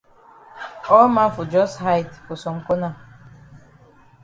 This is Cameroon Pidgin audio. All man fon jus hide for some corner.